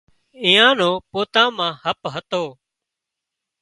ايئان نو پوتان مان هپ هتو